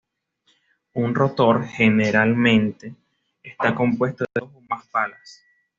Un rotor generalmente está compuesto de dos o más palas.